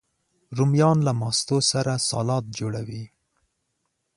رومیان له ماستو سره سالاد جوړوي